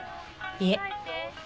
いえ。